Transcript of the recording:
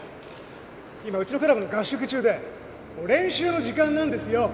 今うちのクラブの合宿中でもう練習の時間なんですよ！